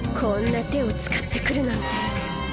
こんな手を使って来るなんて。